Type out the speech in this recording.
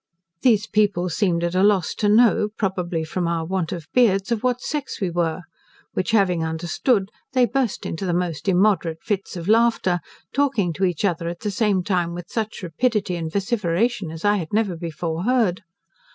These people seemed at a loss to know (probably from our want of beards) of what sex we were, which having understood, they burst into the most immoderate fits of laughter, talking to each other at the same time with such rapidity and vociferation as I had never before heard.